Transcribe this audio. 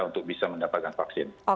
untuk bisa mendapatkan vaksin